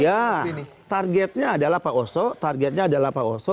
ya targetnya adalah pak oso targetnya adalah pak oso